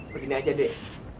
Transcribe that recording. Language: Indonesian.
begini aja dek